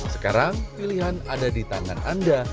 sekarang pilihan ada di tangan anda